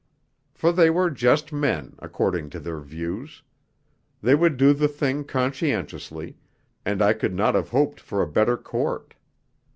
For they were just men, according to their views. They would do the thing conscientiously, and I could not have hoped for a better Court.